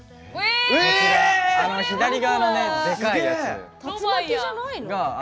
左側のでかいやつが。